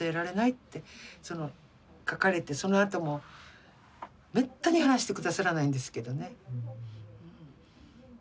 その書かれてそのあともめったに話してくださらないんですけどね。